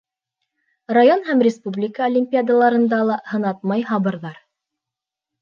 Район һәм республика олимпиадаларында ла һынатмай һабырҙар.